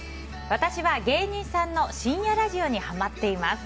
私は芸人さんの深夜ラジオにはまっています。